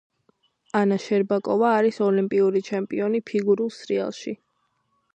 ანა შერბაკოვა არის ოლიმპიური ჩემპიონი ფიგურულ სრიალში.